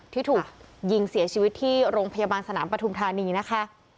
ที่ถูกยิงเสียชีวิตที่โรงพยาบาลสนามปฐุมธานีนะคะ